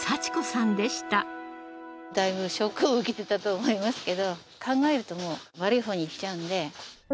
だいぶショックを受けてたと思いますけど考えるともう悪いほうにいっちゃうんで。